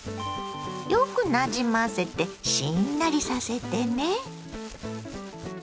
よくなじませてしんなりさせてね。